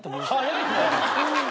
早いね！